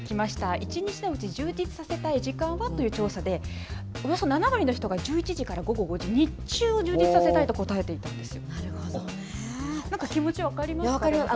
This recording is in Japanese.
１日のうち、充実させたい時間はという調査で、およそ７割の人が、１１時から午後５時、日中を充実させたいと答えていたんですよ。